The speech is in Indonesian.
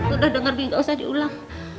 udah denger bi gak usah diulang